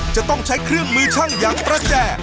จะต้องใช้เครื่องมือช่างอย่างประแจ